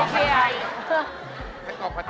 ไม่เคย